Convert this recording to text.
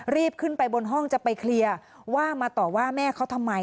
รีบขึ้นไปบนห้องจะไปเคลียร์ว่ามาต่อว่าแม่เขาทำไม